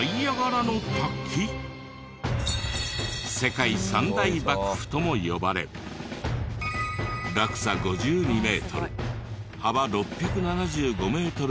世界三大瀑布とも呼ばれ落差５２メートル幅６７５メートルもの場所も。